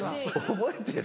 覚えてる？